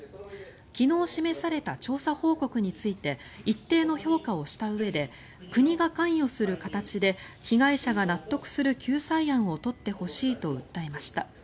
昨日示された調査報告について一定の評価をしたうえで国が関与する形で被害者が納得する救済案を取ってほしいと訴えました。